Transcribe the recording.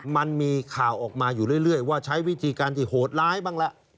มันมีข่าวออกมาอยู่เรื่อยว่าใช้วิธีการที่โหดร้ายบ้างละ